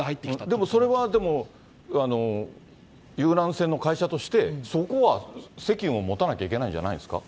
でもそれはでも、遊覧船の会社として、そこは責務を持たなきゃいけないんじゃないですか。